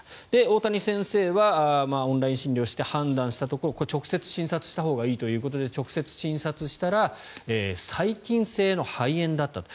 大谷先生はオンライン診療をして判断したところ直接診察したほうがいいということで直接診察したら細菌性の肺炎だったと。